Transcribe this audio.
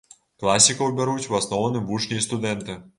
Класікаў бяруць у асноўным вучні і студэнты.